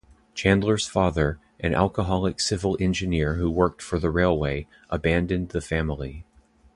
Chandler's father, an alcoholic civil engineer who worked for the railway, abandoned the family.